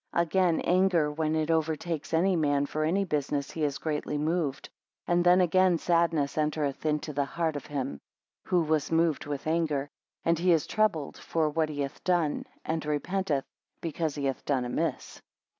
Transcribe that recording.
16 Again anger, when it over. takes any man for any business he is greatly moved; and then again sadness entereth into the heart of him, who was moved with anger, and he is troubled for what he hath done, and repenteth, because he hath done amiss.